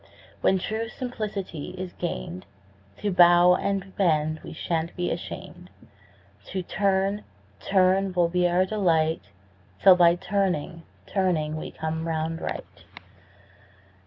When true simplicity is gain'd, To bow and to bend we shan't be asham'd, To turn, turn will be our delight 'Till by turning, turning we come round right.